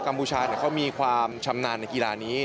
พูชาเขามีความชำนาญในกีฬานี้